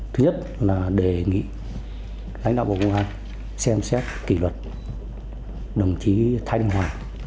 thứ nhất là đề nghị lãnh đạo bộ công an xem xét kỷ luật đồng chí thái đình hoài